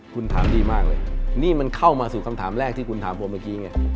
คุณถามดีมากเลยนี่มันเข้ามาสู่คำถามแรกที่คุณถามผมเมื่อกี้ไง